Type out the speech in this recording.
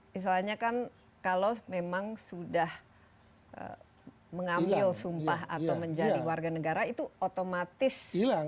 misalnya kan kalau memang sudah mengambil sumpah atau menjadi warganegara itu otomatis hilang